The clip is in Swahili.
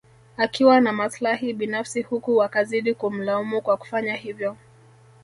Akiwa na maslahi binafsi huku wakazidi kumlaumu kwa kufanya hivyo